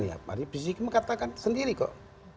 ya pak rizieq mengatakan sendiri kok